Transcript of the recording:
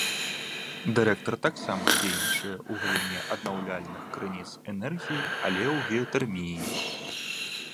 Дырэктар таксама дзейнічае ў галіне абнаўляльных крыніц энергіі, але ў геатэрміі.